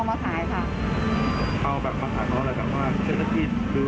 มันก็ลำบากหรือ